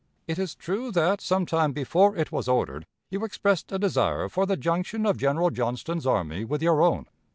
It is true that, some time before it was ordered, you expressed a desire for the junction of General Johnston's army with your own.